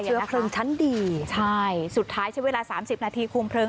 เชื้อเพลิงชั้นดีใช่สุดท้ายใช้เวลาสามสิบนาทีคุมเลิง